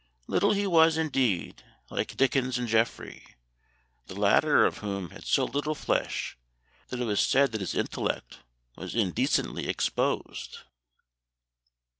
Little he was, indeed, like Dickens and Jeffrey, the latter of whom had so little flesh that it was said that his intellect was indecently exposed."